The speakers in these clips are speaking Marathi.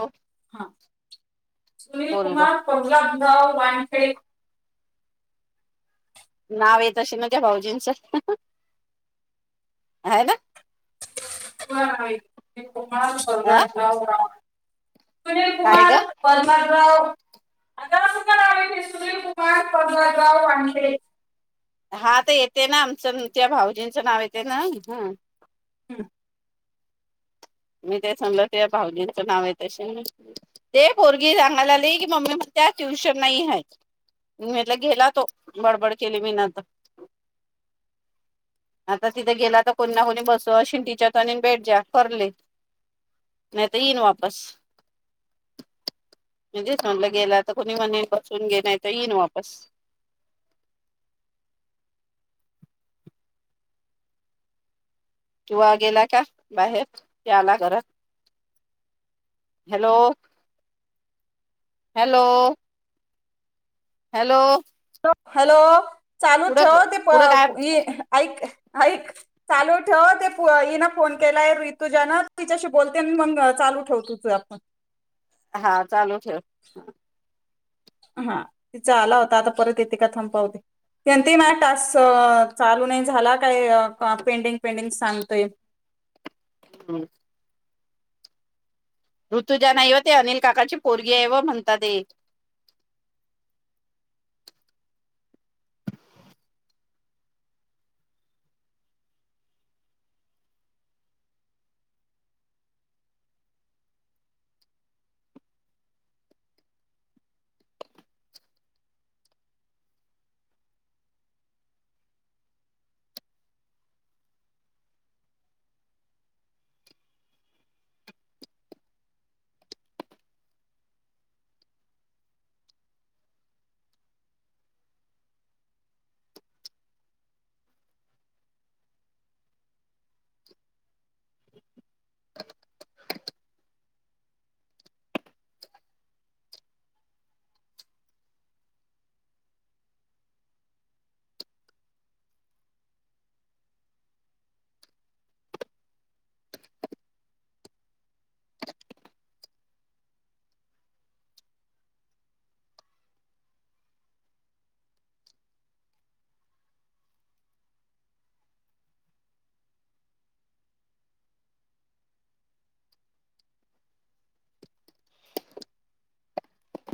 हो हा सुनील बोल ग कुमार पला हो वानखडे. नाव येत असन ना त्या भाऊजींचं. हाय ना? हा येते कुमार अ [unintelligible] राव. सुनील काय कुमार ग परमारराव. आता असं का क सुनील कुमार परमाराव वानखेडे. हा ते ते ना आमचं त्या भाऊजींचं नाव येते ना ह. हम्म. मी तेचं म्हणलं. ते भाऊजंचं नाव आहे त [unintelligible] ते पोरगी सांगायला आली की मम्मी मग त्या ट्युशन नाही हाय. म्हटलं गेला तो बडबड केली मी नाता आता तिथे गेला तर कोणी ना कोणी बस अशी टीचरचानी बेट ज्या करले. नाही तर येईन वापस. म्हणजेच म्हटलं गेला तर कोणी म्ह बसून घे नाही तर येईन वापस. किंवा गेला का बाहेर. की आला घरात. हॅलो हॅलो हॅलो हॅलो चालू ठेव कुठं ते कुठं काय पप इ ऐक ऐक चालू ठेव ते हिन फोन केलाय रितुजा न तिच्याशी बोलते मग चालू ठेव तुझ आपण. हा चालू ठेव. हा तिचा आला होता आता परत येते का थांब पाहुदे. ती म्हणती माझा टास्क चालू नाही झाला काय पेंडिंग पेंडिंग सांगतय. हम्म. ऋतुजा नाही व ते अनिल काकाची पोरगी आहे व म्हणताते.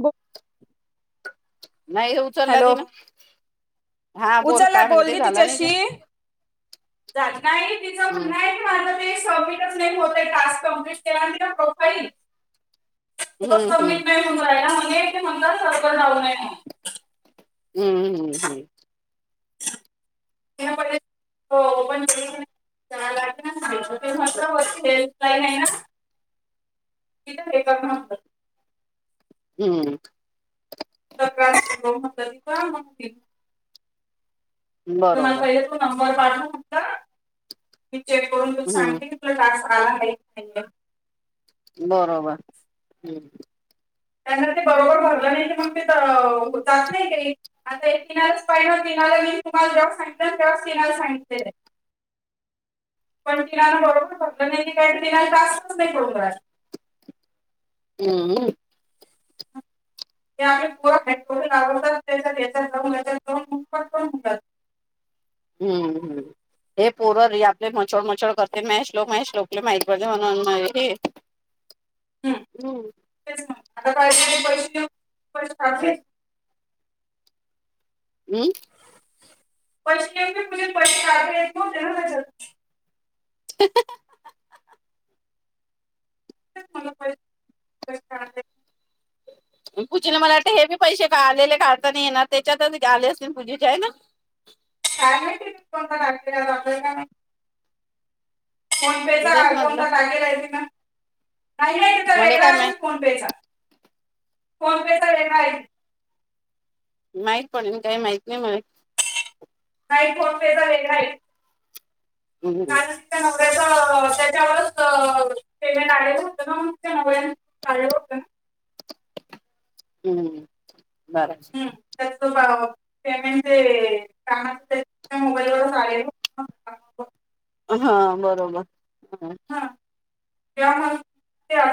ब नाही ह उचला तिनं. हा बोल उचला काय म्हणते बोलणी झाला नाही ते तिच्याशी, नाही तिचं हम्म म्हणणं हाय टास्क का सबमिटच होत नाही टास्क कंप्लीट केलं ना तिने प्रोफाइल. त हम्म हम्म सबमिट नाही होऊ राहिला [unintelligible] ते म्हणलं सर्व्हर डाउन हाय म्हणून. हम्म हम्म हम्म. [unintelligible] हम्म. स म्ह का म्हण [unintelligible] तुम्हाला बरोबर पहिल त नंबर बाजूत चेक करून तू हम्म सांगते की तुला ता हा [unintelligible] बरोबर हम्म. त्यांना ते बरोबर भरलं नाही ते मग ते जात नाही का किनाच पाहिलं तनाला मी तुम्हाला जेव्हा सांगितते तेव्हाच तिनाला सांगितते ते पण किनला बरोबर भरलं नाही ते काही तिनाय जास्तच नाही पडून राहील. हम्म. हे आम्ही गुवा हेडको लावडतात त्याच्या त्याच्यात दोन याच्यात दोन पटकन होऊन जातं हम्म हम्म हे पोर आपले मचोड मचोड करते मॅश लोक मॅश लोकले माहिती पडते म्हणून. हम्म तेच मग आता [unintelligible] पैसेैे पैसे काढले हम् प प [unintelligible] एक होते ना त्याच्यात [unintelligible] [unintelligible] पूजीला मला वाटतं हे बी पैसे का आलेले काढता नाही येणार त्याच्यातच आले असतील पूजेचे आहे ना. कारॅ नाही कोणता लातेल्या का नाही. फोन पे चा तेच म्हटलं कोणता टाकेला आहे ति ना नाही नाही तर मले काय मा ए फोन पे चा फोन पे चा [unintelligible] आहे माहित पडे काही माहित नाही मला नाई फोन पे चा वेगळा हाय हम् ह त्या त्याच्यावरच पेमेंट आलेलं होतं ना मग ते [unintelligible] आलेलं होतं ना हम्म बरं हम्म. [unintelligible] पेमेंट जे काम [unintelligible] मोबाईलवरच आले [unintelligible] हा बरोबर हम त्या म्हणत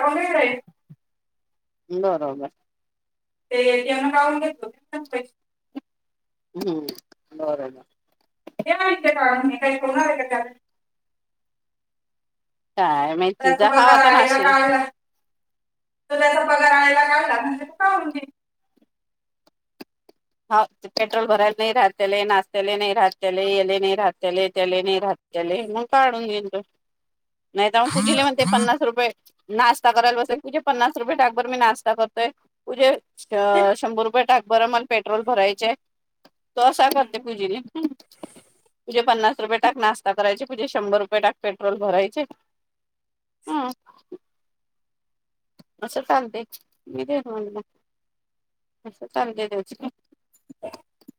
होतया [unintelligible] बरोबर ते येती कावून घेतलं [unintelligible] पैसे हम बरं ना ते म्हणाव [unintelligible] काही होणार हाय का? काय म त्याचा तिचा पगार हवात आलेला असे काढला तो त्याचा पगार आणायला काढ लाग [unintelligible] हा पेट्रोल भरत नाही राहतेले, नाशतेले नाही राहले येले नाही राहले, त्याले नाही राहतेले, मग काढून घेईन तो नाही जाऊन पुूजीले म्हण ते पन्नास रुपये नाश्ता करायला बसलोय तुजे पन्नास रुपये टाकबर मी नाश्ता करतोय तुजे. अ शंभर रुपये टाक. बरं मग पेट्रोल भरायचेय - तो असा करते पूजेने पूजे पन्नास - रुपये टाक नाश्ता करायचे म्हजे शंभर रुपये टाक पेट्रोल भरायचे हम्म. असं चालतयच मी दे म्हणला असं चालते त्याची -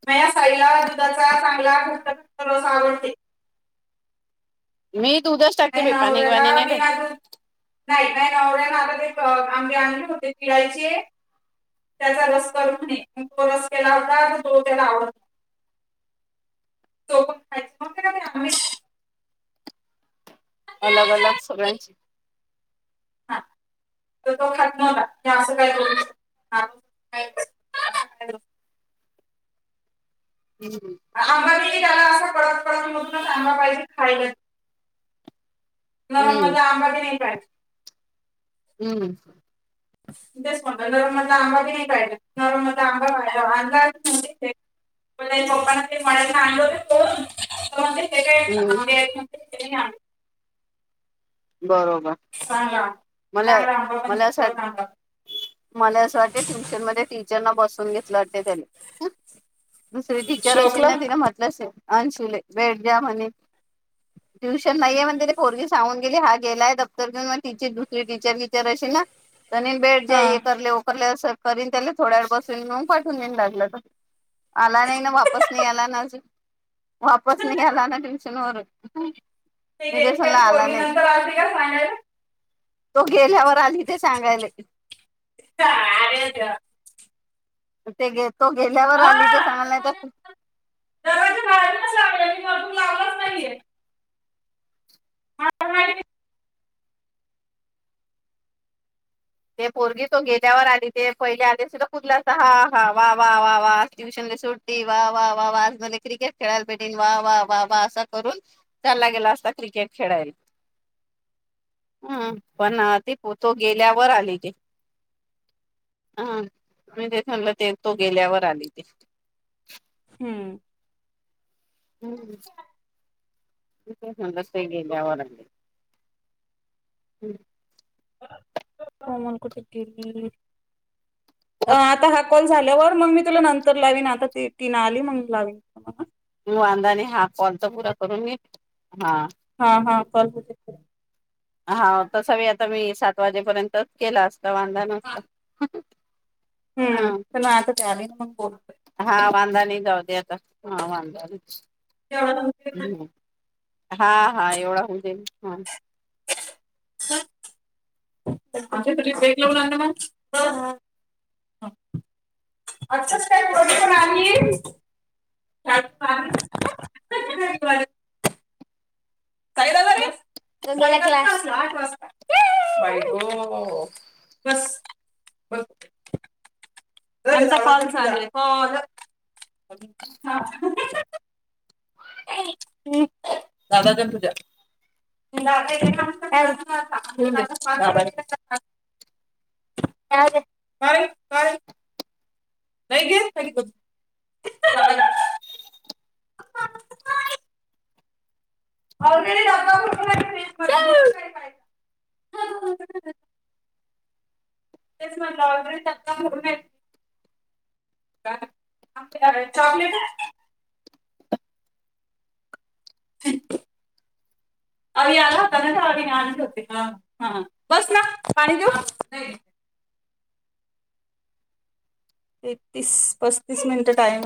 मया साईला दुधाचा चांगला घट्ट घट्ट रस आवडते. मी दूधच टाकते काही बे पाणी नवऱ्याला वाणी नाही बि टाकत नाही काही नवऱ्या- ते आंबे आंबे होते पिळाययचे त्याचा रस कर म्हणे तो रस केला होता तर तो त्याला आवड तो पण खायचा म्हण ते आंबे - अलग अलग सगळ्यांची - हा तर तो खात नव्हता अस काय केलीस [unintelligible] हम्म आंबा किती खाल्ला अस - परत परत होत नसे आंबा पाहिजे खायला ते - नरम मध्ये हम्म आंबा नाही पाहिजे - [inaudible] हम्म तेच म्हणलं नरम आंबा बी नाही पाहिजे नरम आंबा मडना आणल होते कोण ते हम्म आ- ते आण बरोबर चांगला आंबा. मला चांगला आंबा म्हणजे मला असं वाट कडक आंबा. मला असं वाटते ट्यूशनमध्ये टीचरना बस - करून घेतलं वाटत त्यानं हम्म - दुसर टीचर असेल श्लोकला ना ती न म्हटलं असेल - अनशुले भेट द्या म्हणे ट्युशन नाहीये म्हणे त्यांनी पोरगी सांगून - गेली हा गेलाय दप्तर घेऊन मग टीचर दुसरी टीचर विचारत असेल ना - दनीन बेड हा जाईकरले उकरले - करीन त्याला थोड्या वेळ बसून मग पाठून देऊन लागलं तर आला नाही ना वापस नाही आला ना अजून वापस नाही आला नाही ट्युशन वरून हम्म - [unintelligible] फायनल [unintelligible] तो गेल्यावर आली ते सांगायल - आरे जा [unintelligible] ते ग तो गेल्यावर हा. आली तर सांग नाही तर - त्यो अजून लावलाच नाहीे. हां ते पोरगी तो गेल्यावर आली ते पहिले आली असती पुरलअसत हा हा वा वा वा वा ट्युशन ला सुट्टी वा वा वा वा आज मला क्रिकेट खेळायला भेटीन वा वा वा वा असा करून चालला गेला असता क्रिकेट खेळायला हम्मं पण ती तो गेल्यावर. वर आली ते हां तेे म्हणलं ते तो गेल्यावर आली ते. हम्म हम् रस गलेवार हम् कोमल कुठ दिली हाता ह [unintelligible] कॉल झाल्यावर मग मी तुला नंतर लावीन आता तीन आली मग लान म वांदा हा [unintelligible] कॉल तर पूरा करून मी हा हा हा कॉल हा तसा व आता मी सात वाजेपर्यंतच केला अस वांदा नसता हम्म ह चला आता त्यावी मग [unintelligible] हो [inaudible] हा वांदा नाही जाऊदे आता हा वांदा नाही. का [inaudible] हा हा एवढा हुन जाईल हा. आ तरीेग लावणार मग आताच काय प्रशन आहे [unintelligible] काय झालरे क्लास आठ वाजता बायग बस त्यांचा कॉल चालु आहे कॉल दादांच्या तुझ्या दादा गेला क्लासला आता का काय काय [unintelligible] [unintelligible] ऑलरेडी डबा भरून आहे फ्रिजमध्ये, तेच म्हटलं ऑलरेडी धबबा भरून आहेत काय चॉकलेट. अ अवी आला होता न आवी आणले होते न हा बसना पाणी देऊ. तेतीस पस्तीस मिनिट टाईम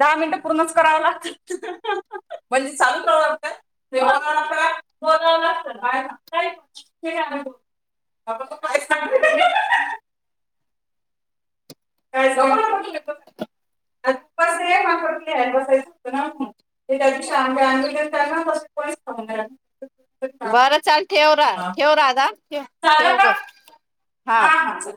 दहा मिनिटं पूर्णच कराव लागत म्हणजे चालू कराव लागत बोलावच लागत काही पण. आज उपवास आहे मला लिहायला बसायचं होतं ना म्हणून ते त्यादिवशी आंबे आनले होते न कोणीच खाऊन नाही राहीले. बरं चाल ठेव राधा ठेव, झालं ठेव का ग हाव. हा हा